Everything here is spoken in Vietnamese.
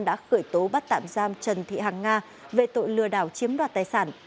đã khởi tố bắt tạm giam trần thị hàng nga về tội lừa đảo chiếm đoạt tài sản